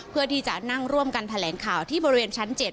เพื่อที่จะนั่งร่วมกันแถลงข่าวที่บริเวณชั้น๗